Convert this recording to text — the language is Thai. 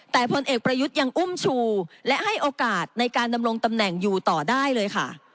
แต่พลเอกประยุทธ์ยังอุ้มชูและให้โอกาสในการดำรงตำแหน่งอยู่ต่อได้เลยค่ะ